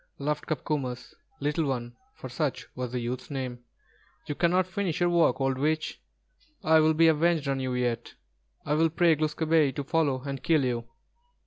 laughed "Copcomus," Little One, for such was the youth's name. "You cannot finish your work, old witch. I will be avenged on you yet. I will pray Glūs kābé to follow and kill you."